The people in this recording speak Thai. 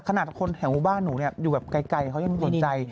ขนาดคนแถวบ้านหนูอยู่แบบไกลเขายังสนใจ